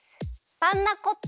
パンダコッタ！